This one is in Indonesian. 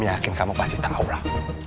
aku yakin kamu pasti tau lah